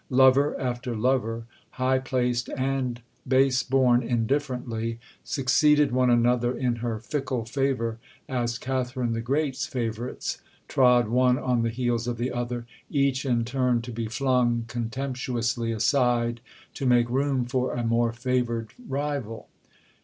Lover after lover, high placed and base born indifferently, succeeded one another in her fickle favour, as Catherine the Great's favourites trod one on the heels of the other, each in turn to be flung contemptuously aside to make room for a more favoured rival.